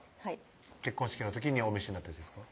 結婚式の時にお召しになったやつですか？